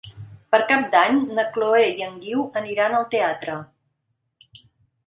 Per Cap d'Any na Chloé i en Guiu aniran al teatre.